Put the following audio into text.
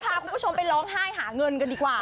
พาคุณผู้ชมไปร้องไห้หาเงินกันดีกว่า